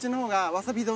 わさび丼。